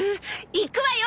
行くわよ